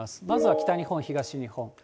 まずは北日本、東日本。